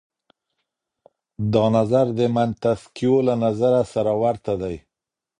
دا نظر د منتسکيو له نظره سره ورته دی.